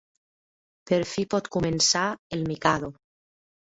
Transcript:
Per fi pot començar "El Mikado".